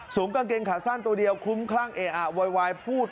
สูงก้างเกินขาสสั้นตัวเดียวคุ้มคลั่งเอะอะวัยวายพูด